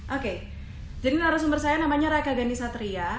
oke jadi narasumber saya namanya raka ghani satria